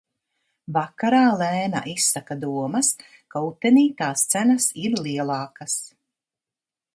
Vakarā Lēna izsaka domas, ka utenī tās cenas ir lielākas.